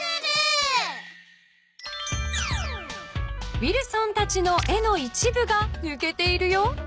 ［ウィルソンたちの絵の一部がぬけているよ］